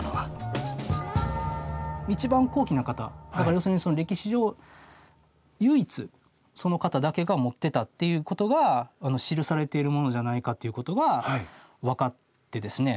要するに歴史上唯一その方だけが持ってたっていうことが記されているものじゃないかっていうことが分かってですね。